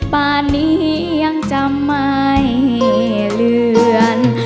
ป่านนี้ยังจำไม่เหลือน